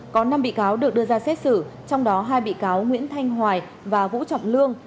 có năm bị cáo được đưa ra xét xử trong đó hai bị cáo nguyễn thanh hoài và vũ trọng lương